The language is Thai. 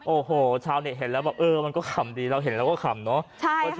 โอ้โหชาวเน็ตเห็นแล้วบอกเออมันก็ขำดีเราเห็นเราก็ขำเนาะ